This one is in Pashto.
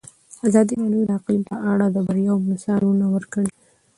ازادي راډیو د اقلیم په اړه د بریاوو مثالونه ورکړي.